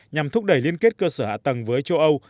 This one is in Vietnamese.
nhằm thúc đẩy liên kết cơ sở hạ tầng với châu âu